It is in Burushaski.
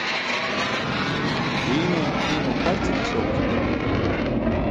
Ġiine iymo pʰarcin isoġuc̣i delum juwan.